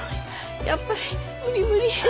やっぱり無理無理。